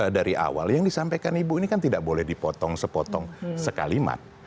dari awal yang disampaikan ibu ini kan tidak boleh dipotong sepotong sekalimat